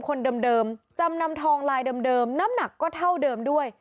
คนเดิมจำนำทองลายเดิมน้ำหนักก็เท่าเดิมด้วย